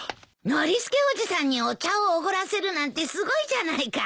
ノリスケおじさんにお茶をおごらせるなんてすごいじゃないか。